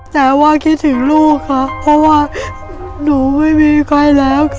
แต่ว่าคิดถึงลูกค่ะเพราะว่าหนูไม่มีใครแล้ว